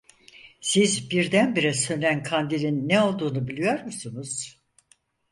Siz, birdenbire sönen kandilin ne olduğunu biliyor musunuz?